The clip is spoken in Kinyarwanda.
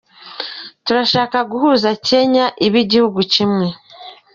Turashaka guhuza Kenya ibe igihugu kimwe.”